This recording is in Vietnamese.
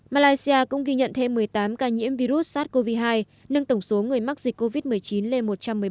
malaysia cũng ghi nhận thêm một mươi tám ca nhiễm virus sars cov hai nâng tổng số người mắc dịch covid một mươi chín lên một trăm một mươi ba ca